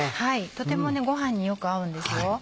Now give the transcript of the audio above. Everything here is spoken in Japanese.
とてもご飯によく合うんですよ。